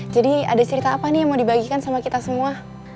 jadi ada cerita apa nih yang mau dibagikan sama kita semua